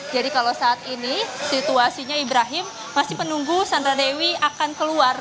jadi kalau saat ini situasinya ibrahim masih menunggu sandra dewi akan keluar